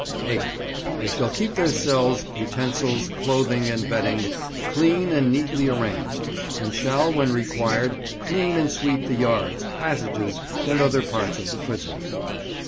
8. They shall keep their cells, utensils, clothing, and bedding clean and neatly arranged, and shall when required clean and sweep the yards, passages, and other parts of the prison.